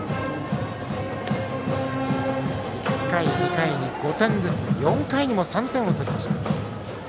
１回、２回に５点ずつ４回にも３点を取りました。